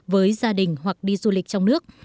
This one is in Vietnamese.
với gia đình hoặc đi du lịch trong nước